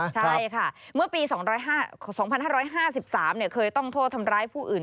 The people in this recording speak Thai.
ใช่ค่ะเมื่อปี๒๕๕๓เคยต้องโทษทำร้ายผู้อื่น